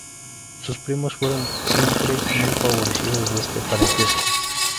Sus primos fueron siempre muy favorecidos de este parentesco.